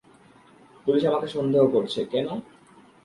Police আমাকে সন্দেহ করছে, -কেনো?